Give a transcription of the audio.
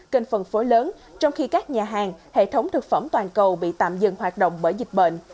kênh phân phối lớn trong khi các nhà hàng hệ thống thực phẩm toàn cầu bị tạm dừng hoạt động bởi dịch bệnh